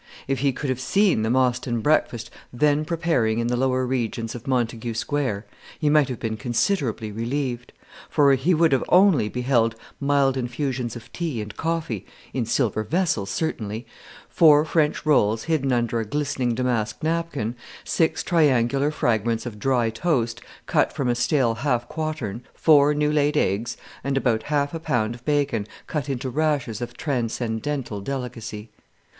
If he could have seen the Mostyn breakfast then preparing in the lower regions of Montague Square, he might have been considerably relieved; for he would have only beheld mild infusions of tea and coffee in silver vessels, certainly four French rolls hidden under a glistening damask napkin, six triangular fragments of dry toast, cut from a stale half quartern, four new laid eggs, and about half a pound of bacon cut into rashers of transcendental delicacy.